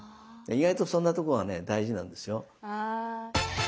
意外とそんなとこがね大事なんですよ。